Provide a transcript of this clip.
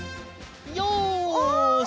よし！